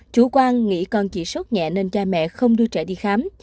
chủ quan nghĩ con chỉ sốt nhẹ nên cha mẹ không đưa trẻ đi khám